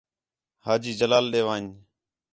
حاجی جلال ݙے وَن٘ڄ